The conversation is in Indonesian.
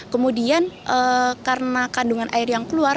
kemudian karena kandungan air yang keluar